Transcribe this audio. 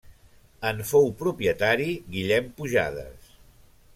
En fou propietari Guillem Pujades.